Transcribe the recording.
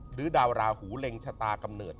ดาวราหูเล็งชะตากำเนิด